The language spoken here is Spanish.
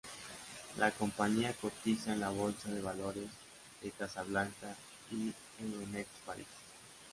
La compañía cotiza en la Bolsa de Valores de Casablanca y en Euronext París.